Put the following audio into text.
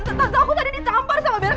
tentang aku tadi dicampur sama bella